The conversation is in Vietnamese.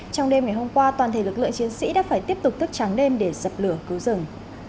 trong đêm ngày hôm qua toàn thể lực lượng chiến sĩ đã phải tiếp tục thức trắng đêm để dập lửa cứu rừng